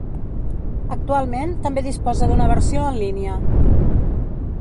Actualment també disposa d'una versió en línia.